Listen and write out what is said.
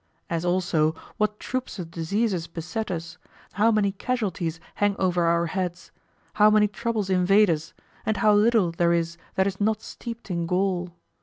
As also what troops of diseases beset us, how many casualties hang over our heads, how many troubles invade us, and how little there is that is not steeped in gall?